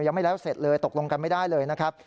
ยังไม่แล้วเสร็จเลยตกลงกันไม่ได้เลยนะครับ